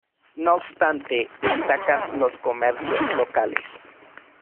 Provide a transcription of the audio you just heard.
No obstante, destacan los comercios locales.